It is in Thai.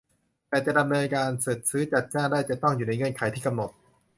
แต่จะดำเนินการจัดซื้อจัดจ้างได้จะต้องอยู่ในเงื่อนไขที่กำหนด